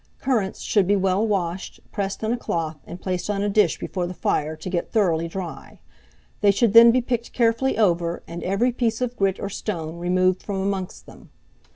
Currants should be well washed, pressed in a cloth, and placed on a dish before the fire to get thoroughly dry; they should then be picked carefully over, and every piece of grit or stone removed from amongst them.